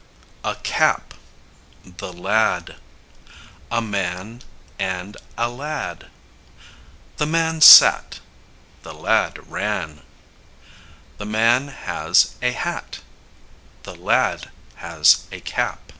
] a cap the lad A man and a lad. The man sat; the lad ran. The man has a hat. The lad has a cap.